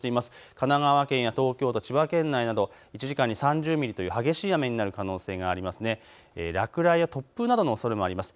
神奈川県や東京都、千葉県内など１時間に３０ミリという激しい雨になる可能性があります。